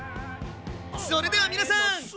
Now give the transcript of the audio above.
それでは皆さん。